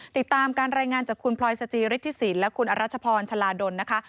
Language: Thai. ติดตามการรายงานจากคุณพลอยสจิฤทธิสินและคุณอรัชพรชลาดลนะคะ